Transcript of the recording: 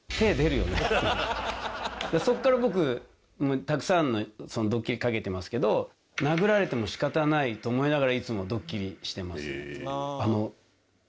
そこから僕たくさんドッキリかけてますけど。と思いながらいつもドッキリしてますね。